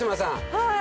はい。